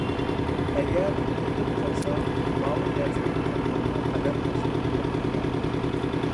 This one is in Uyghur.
ئەگەر يېقىپ قالسا، ماۋۇ دەرسلىك قانىلىغىمۇ قەدەم تەشرىپ قىلىپ قويۇڭ.